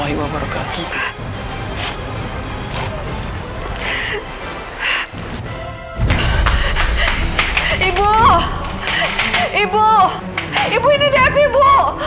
ibu ibu ibu ini nevi ibu